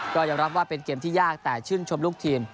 ก็ยอมรับว่าเป็นเกมที่ยากแต่ชื่นชมลูกทีม